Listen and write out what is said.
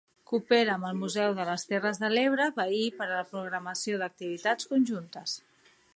Coopera amb el Museu de les Terres de l'Ebre veí per la programació d’activitats conjuntes.